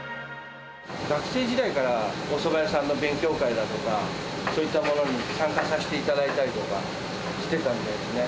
学生時代からおそば屋さんの勉強会だとか、そういったものに参加させていただいたりとか、してたんですね。